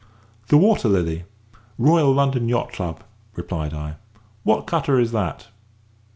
"The Water Lily, Royal Yacht Club," replied I. "What cutter is that?"